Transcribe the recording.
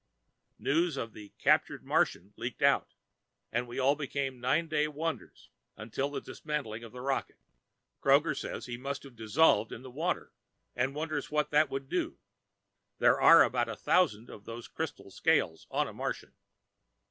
News of the "captured Martian" leaked out, and we all became nine day wonders until the dismantling of the rocket. Kroger says he must have dissolved in the water, and wonders what that would do. There are about a thousand of those crystal scales on a Martian.